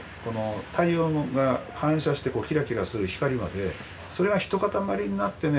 太陽が反射してキラキラする光までそれが一塊になってね